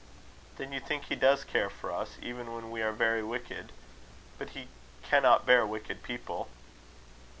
"Then you think he does care for us, even when we are very wicked. But he cannot bear wicked people."